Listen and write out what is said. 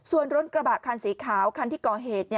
ส่วนรถกระบะคันสีขาวคันที่ก่อเหตุ